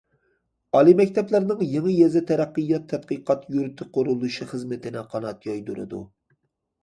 ئالىي مەكتەپلەرنىڭ يېڭى يېزا تەرەققىيات تەتقىقات يۇرتى قۇرۇلۇشى خىزمىتىنى قانات يايدۇرىدۇ.